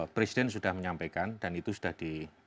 presiden sudah menyampaikan dan itu sudah di